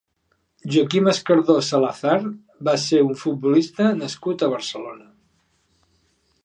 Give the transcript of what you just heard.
Joaquim Escardó Salazar va ser un futbolista nascut a Barcelona.